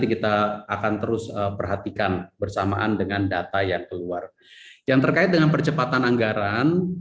kita akan terus perhatikan bersamaan dengan data yang keluar yang terkait dengan percepatan anggaran